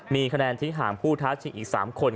มีคะแนนทิ้งห่างผู้ท้าชิงอีก๓คน